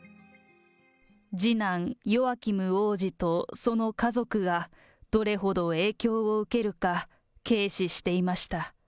次男、ヨアキム王子とその家族がどれほど影響を受けるか、軽視していました。